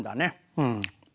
うん。